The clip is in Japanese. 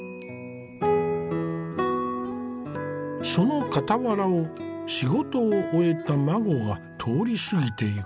その傍らを仕事を終えた馬子が通り過ぎていく。